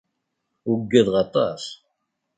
Uggadeɣ aṭas.